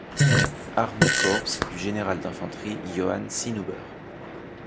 Armeekorps du général d’infanterie Johann Sinnhuber.